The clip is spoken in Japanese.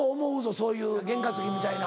そういう験担ぎみたいな。